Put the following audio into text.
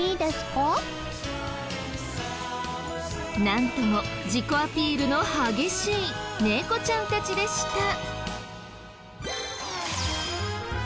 なんとも自己アピールの激しい猫ちゃんたちでした。